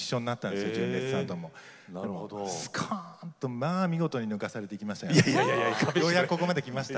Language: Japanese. すこんと見事に抜かされてきました。